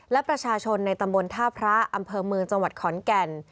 และประชาชนในตำบลท่าพระอำเภอเมืองจังหวัดขอนแก่น